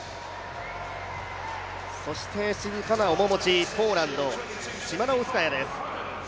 そして静かな面持ち、ポーランド、チマノウスカヤです。